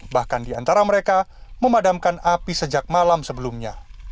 bahkan diantara mereka memadamkan api sejak malam sebelumnya